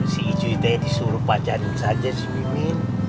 si iju teh disuruh pacarin saja si mimin